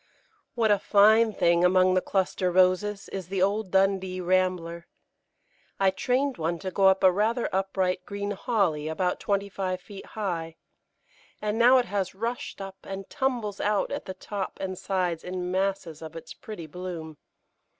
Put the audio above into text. What a fine thing, among the cluster Roses, is the old Dundee Rambler! I trained one to go up a rather upright green Holly about twenty five feet high, and now it has rushed up and tumbles out at the top and sides in masses of its pretty bloom.